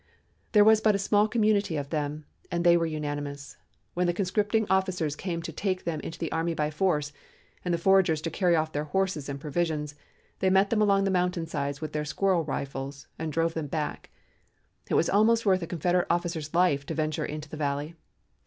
There was but a small community of them and they were unanimous. When the conscripting officers came to take them into the army by force and the foragers to carry off their horses and provisions, they met them along the mountain sides with their squirrel rifles and drove them back; it was almost worth a Confederate officer's life to venture into the valley.